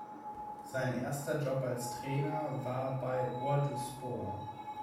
Sein erster Job als Trainer war bei Orduspor.